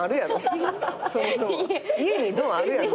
家にドアあるやろ？